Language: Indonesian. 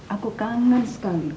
aku kangen sekali